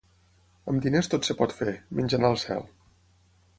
Amb diners tot es pot fer, menys anar al cel.